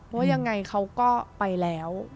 ว่ายังไงเขาก็ไปแล้ว